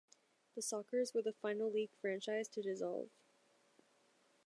The Sockers' were the final league franchise to dissolve.